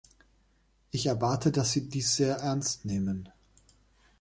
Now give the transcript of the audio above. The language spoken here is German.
Ich erwarte, dass Sie dies sehr ernst nehmen.